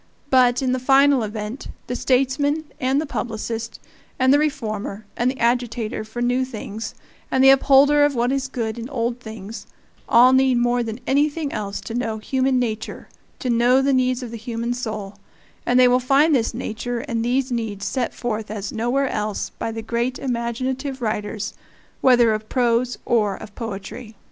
But, in the final event, the statesman, and the publicist, and the reformer, and the agitator for new things, and the upholder of what is good in old things, all need more than anything else to know human nature, to know the needs of the human soul; and they will find this nature and these needs set forth as nowhere else by the great imaginative writers, whether of prose or of poetry.